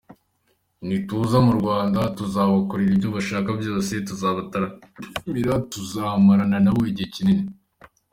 Nituza mu Rwanda tuzabakorera ibyo bashaka byose; tuzabataramira, tuzamarana nabo igihe kinini.